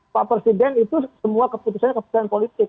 pak presiden itu semua keputusan keputusan politik